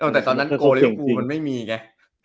แต่ตอนนั้นโกลิฟูมันไม่มีไง